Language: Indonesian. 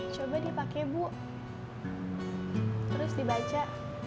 coba dipakai bu terus dibaca